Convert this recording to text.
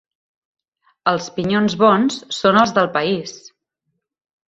Els pinyons bons són els del país.